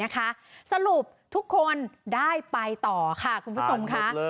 นะค่ะสรุปทุกคนได้ไปต่อค่ะคุณค่ะ